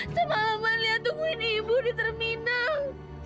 sama aman liat tungguin ibu di terminal